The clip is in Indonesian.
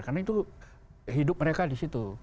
karena itu hidup mereka di situ